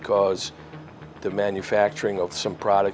karena pembuatan beberapa produk